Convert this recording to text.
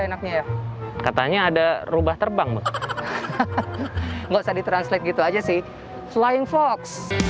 enaknya katanya ada rubah terbang nggak di translate gitu aja sih flying fox